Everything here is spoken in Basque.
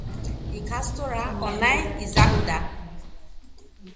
Ikastaroa online izango da.